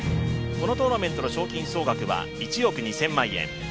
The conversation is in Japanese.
このトーナメントの賞金総額は１億２０００万円。